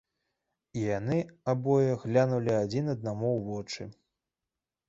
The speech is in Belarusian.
І яны абое глянулі адзін аднаму ў вочы.